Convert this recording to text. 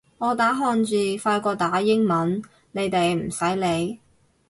我打漢字快過打英文，你哋唔使理